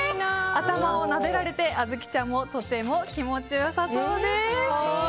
頭をなでられて、あずきちゃんもとても気持ちよさそうです。